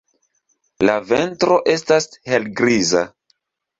La ventro estas helgriza.